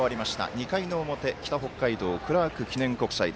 ２回の表北北海道、クラーク国際。